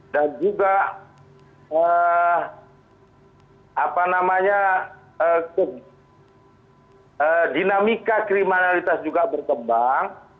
dan juga dinamika kriminalitas juga berkembang